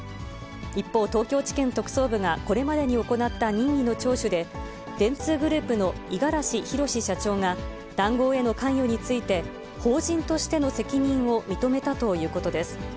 一方、東京地検特捜部がこれまでに行った任意の聴取で、電通グループの五十嵐博社長が、談合への関与について、法人としての責任を認めたということです。